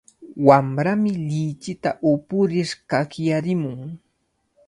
Wamrami lichinta upurir kakyarimun.